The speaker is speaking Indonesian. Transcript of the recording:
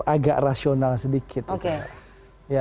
agak rasional sedikit oke